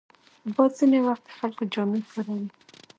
باد ځینې وخت د خلکو جامې ښوروي